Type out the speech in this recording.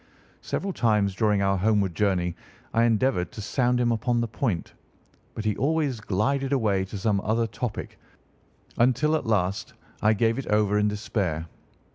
Several times during our homeward journey I endeavoured to sound him upon the point, but he always glided away to some other topic, until at last I gave it over in despair.